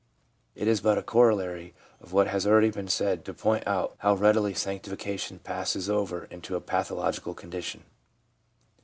It is but a corollary of what has already been said to point out how readily sanctification passes over into a pathological condition.